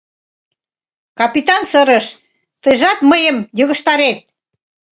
Капитан сырыш: «Тыйжат мыйым йыгыжтарет!»